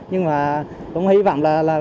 nhưng mà cũng hy vọng là